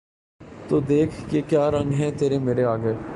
تو دیکھ کہ کیا رنگ ہے تیرا مرے آگے